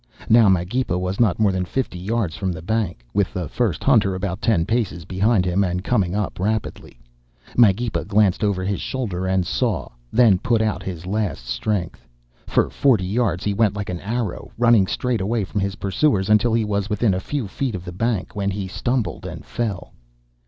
"Now Magepa was not more than fifty yards from the bank, with the first hunter about ten paces behind him and coming up rapidly. Magepa glanced over his shoulder and saw, then put out his last strength. For forty yards he went like an arrow, running straight away from his pursuers, until he was within a few feet of the bank, when he stumbled and fell.